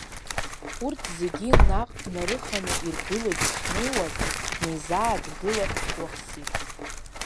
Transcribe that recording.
Урҭ зегьы наҟ днарыханы иргыло дышнеиуаз, днеизааҭгылахт Уахсиҭ.